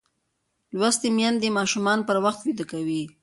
لوستې میندې ماشومان پر وخت ویده کوي.